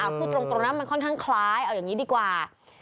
พูดตรงนะมันค่อนข้างคล้ายเอาอย่างนี้ดีกว่า